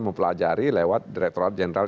mempelajari lewat direkturat jenderal